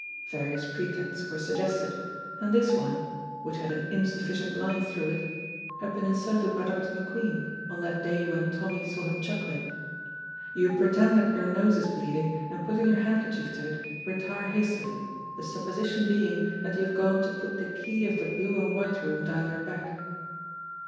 Various pretexts were suggested, and this one (which had an insufficient line through it) had been inserted by Dr. McQueen on that day when Tommy saw him chuckling, "You pretend that your nose is bleeding and putting your handkerchief to it, retire hastily, the supposition being that you have gone to put the key of the blue and white room down your back."